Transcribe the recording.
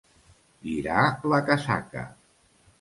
Girar la casaca.